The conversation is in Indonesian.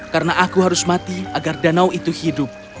karena aku harus mati agar danau itu hidup